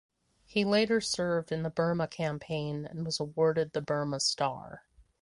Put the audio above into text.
He later served in the Burma campaign and was awarded the Burma Star.